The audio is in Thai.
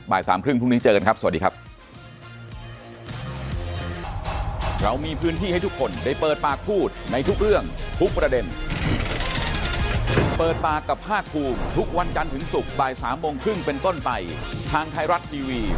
สามครึ่งพรุ่งนี้เจอกันครับสวัสดีครับ